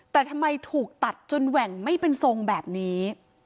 แต่ทำไมถูกตัดจนแหว่งไม่เป็นทรงแบบนี้